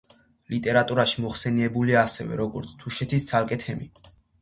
ლიტერატურაში მოხსენიებულია ასევე, როგორც თუშეთის ცალკე თემი.